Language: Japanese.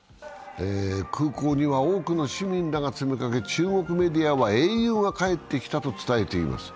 空港には多くの市民らが詰めかけ中国メディアは英雄が帰ってきたと伝えています。